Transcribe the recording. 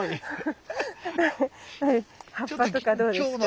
葉っぱとかどうですか？